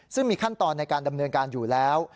ซึ่งมีขั้นตอนในการดำเนินการอยู่แล้ว